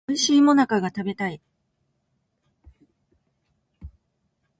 おいしい最中が食べたい